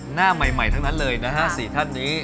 หน้าใหม่ทั้งนั้นเลยนะฮะ๔ท่านนี้